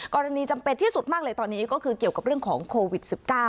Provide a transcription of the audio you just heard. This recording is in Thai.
จำเป็นที่สุดมากเลยตอนนี้ก็คือเกี่ยวกับเรื่องของโควิด๑๙